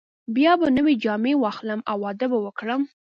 بیا به نوې جامې واخلم او واده به وکړم.